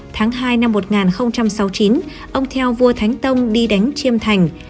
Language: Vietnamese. tháng hai năm một nghìn sáu mươi chín ông theo vua thánh tông đi đánh chiêm thành